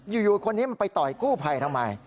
อยู่คนนี้มันไปต่อยกู้ภัยทำไม